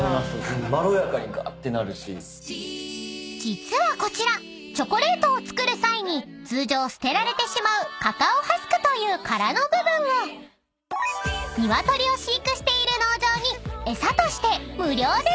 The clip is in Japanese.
［実はこちらチョコレートを作る際に通常捨てられてしまうカカオハスクという殻の部分をニワトリを飼育している農場に］